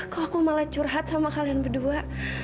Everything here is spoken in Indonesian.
kok aku malah curhat sama kalian berdua